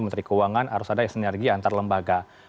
menteri keuangan harus ada sinergi antar lembaga